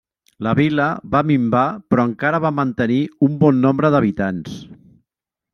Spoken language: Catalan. La vila va minvar però encara va mantenir un bon nombre d'habitants.